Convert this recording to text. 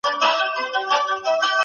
سم نیت پرمختګ نه خرابوي.